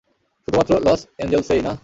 শুধুমাত্র লস এঞ্জেলসেই, না?